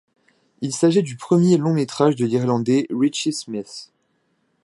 Il s'agit du premier long métrage de l'Irlandais Richie Smyth.